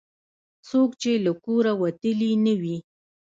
څوک چې له کوره وتلي نه وي.